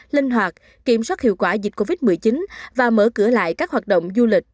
linh hoạt kiểm soát hiệu quả dịch covid một mươi chín và mở cửa lại các hoạt động du lịch